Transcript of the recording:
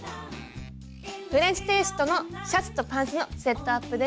フレンチテイストのシャツとパンツのセットアップです。